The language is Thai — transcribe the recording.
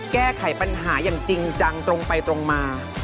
แก้ไขปัญหาอย่างจริงจังตรงไปตรงมา